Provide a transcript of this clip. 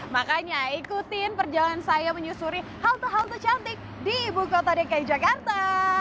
makanya ikutin perjalanan saya menyusuri halte halte cantik di ibu kota dki jakarta